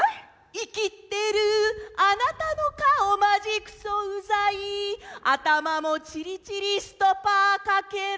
「いきってるあなたの顔マジクソうざい頭もチリチリストパーかけろ」。